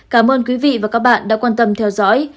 cảm ơn quý vị và các bạn đã quan tâm theo dõi